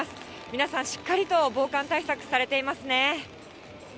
皆さん、しっかりと防寒対策されていますね。